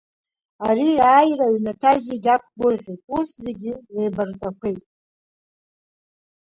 Ари иааира аҩнаҭа зегьы ақәгәырӷьеит, ус зегь леибартәақәеит.